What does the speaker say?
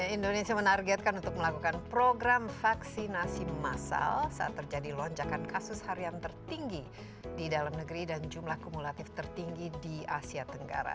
indonesia menargetkan untuk melakukan program vaksinasi massal saat terjadi lonjakan kasus harian tertinggi di dalam negeri dan jumlah kumulatif tertinggi di asia tenggara